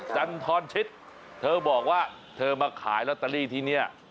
จันทรชิตเธอบอกว่าเธอมาขายลอตเตอรี่ที่นี่